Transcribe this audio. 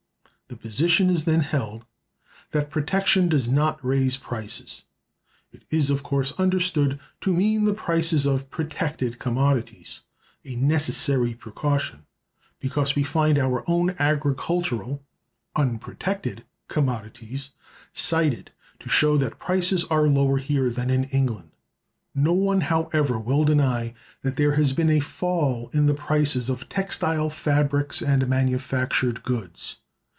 The position is then held that protection does not raise prices. It is, of course, understood to mean the prices of protected commodities—a necessary precaution, because we find our own agricultural (unprotected) commodities cited to show that prices are lower here than in England. No one, however, will deny that there has been a fall in the prices of textile fabrics and manufactured goods.